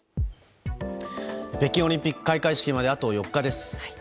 北京オリンピック開会式まであと４日です。